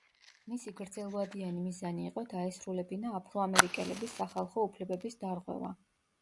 მისი გრძელვადიანი მიზანი იყო დაესრულებინა აფრო-ამერიკელების სახალხო უფლებების დარღვევა.